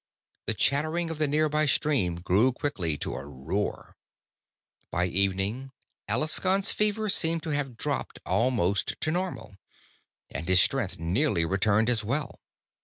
The chattering of the nearby stream grew quickly to a roar. By evening, Alaskon's fever seemed to have dropped almost to normal, and his strength nearly returned as well.